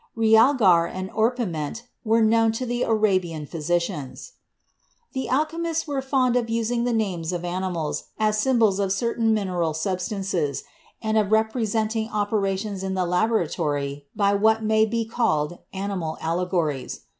Realgar and orpiment were known to the Arabian physi cians. The alchemists were fond of using the names of animals as symbols of certain mineral substances, and of repre enting operations in the laboratory by what may be called animal allegories.